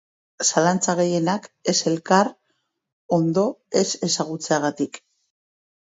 Zalantza gehienak ez elkar ondo ez ezagutzeagatik.